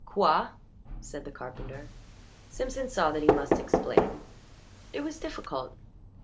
"Quoi?" said the carpenter. Simpson saw that he must explain. It was difficult.